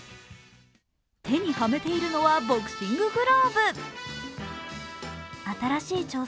手にはめているのはボクシンググローブ。